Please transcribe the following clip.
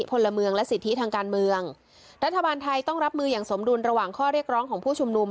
พลเมืองและสิทธิทางการเมืองรัฐบาลไทยต้องรับมืออย่างสมดุลระหว่างข้อเรียกร้องของผู้ชุมนุม